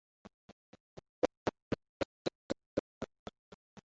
এঁদের মধ্যে উল্লেখনীয় ছিলেন স্যামুয়েল বাটলার।